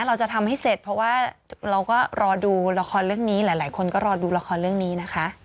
เราจะทำให้เสร็จเพราะว่าเราก็รอดูละครเรื่องนี้หลายคนก็รอดูละครเรื่องนี้นะคะ